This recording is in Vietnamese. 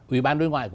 ủy ban đối ngoại